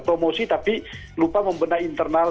promosi tapi lupa membenah internal